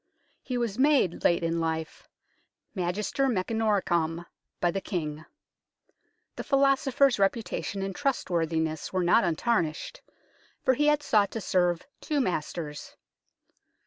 He was made, late in life, Magister Mechanicorum by the King. The philosopher's reputation and trustworthiness were not untarnished, for he had sought to serve two masters.